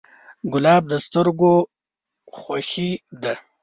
ګلاب د سترګو خوښي ده.